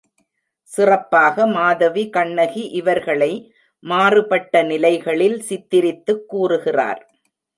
சிறப்பாக மாதவி கண்ணகி இவர்களை மாறுபட்ட நிலைகளில் சித்திரித்துக் கூறுகிறார்.